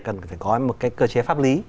cần có một cái cơ chế pháp lý